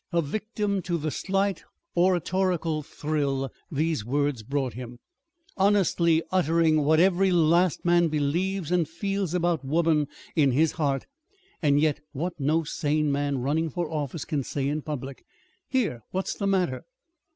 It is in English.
a victim to the slight oratorical thrill these words brought him, "honestly uttering what every last man believes and feels about woman in his heart and yet what no sane man running for office can say in public here, what's the matter?"